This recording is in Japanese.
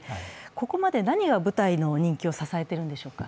ここまで何が舞台の人気を支えているんでしょうか？